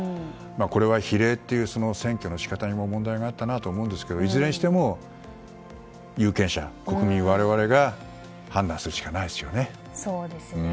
これは、比例という選挙のし方も問題があったと思いますけどいずれにしても有権者、国民我々が判断するしかないですよね。